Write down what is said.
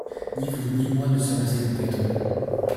Ni vous ni moi ne sommes assez compétents.